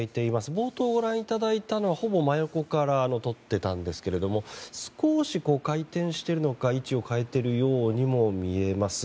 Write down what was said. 冒頭ご覧いただいたのはほぼ真横から撮っていたんですが少し回転しているのか位置を変えているようにも見えます。